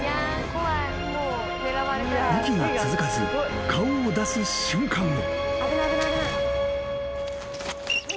［息が続かず顔を出す瞬間を］